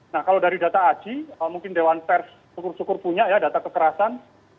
nah kalau dari data aji mungkin dewan pers syukur syukur punya ya data kekerasan